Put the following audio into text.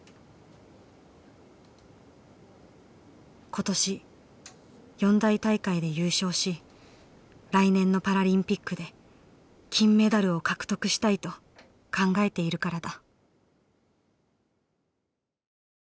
今年四大大会で優勝し来年のパラリンピックで金メダルを獲得したいと考えているからだ。